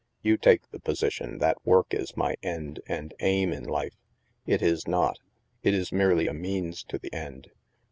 You take the position that work is my end and aim in life. It is not. It is merely a means to the end.